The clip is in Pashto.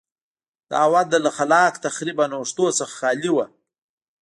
دا وده له خلاق تخریب او نوښتونو څخه خالي وه.